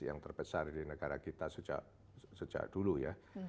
yang terbesar di negara kita sejak dulu ya